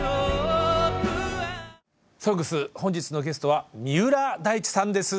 「ＳＯＮＧＳ」本日のゲストは三浦大知さんです。